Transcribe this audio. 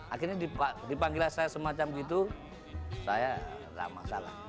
akhirnya dipanggil saya semacam gitu saya enggak masalah